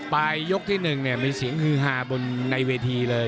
ปลายยกที่๑มีเสียงฮือฮาบนในเวทีเลย